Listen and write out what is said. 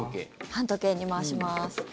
反時計に回します。